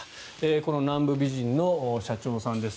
この南部美人の社長さんです。